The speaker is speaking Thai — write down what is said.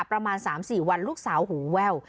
ประมาณ๓๔วันลูกสาวหูแว่ว